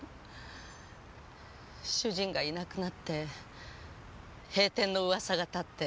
主人がいなくなって閉店の噂が立って。